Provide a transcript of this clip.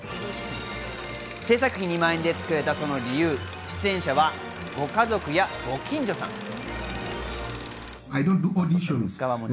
制作費２万円で作れたその理由、出演者はご家族やご近所さん。